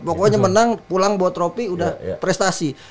pokoknya menang pulang buat tropi udah prestasi